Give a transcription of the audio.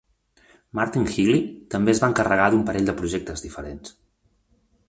Martin Healy també es va encarregar d'un parell de projectes diferents.